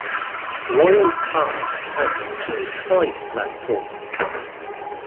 Royal Park has two side platforms.